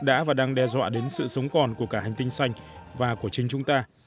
đã và đang đe dọa đến sự sống còn của cả hành tinh xanh và của chính chúng ta